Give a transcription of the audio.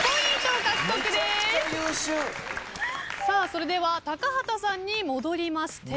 それでは高畑さんに戻りまして。